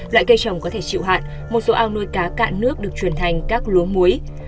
loại cây trồng có thể chịu hạn một số ao nuôi cá cạn nước được chuyển thành các lúa muối